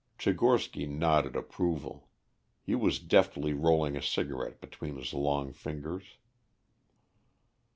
Tchigorsky nodded approval. He was deftly rolling a cigarette between his long fingers.